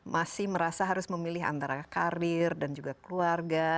masih merasa harus memilih antara karir dan juga keluarga